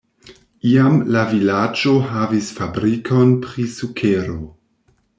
Iam la vilaĝo havis fabrikon pri sukero.